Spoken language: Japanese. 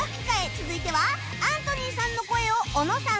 続いてはアントニーさんの声を小野さん